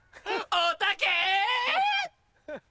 おたけ‼